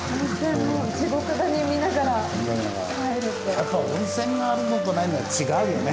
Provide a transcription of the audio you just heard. やっぱ温泉があるのとないのは違うよね。